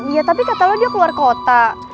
ya tapi kata lo dia keluar kota